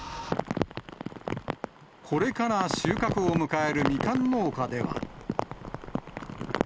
これから収穫を迎えるみかん農家では。